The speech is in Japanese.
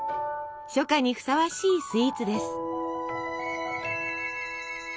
初夏にふさわしいスイーツです。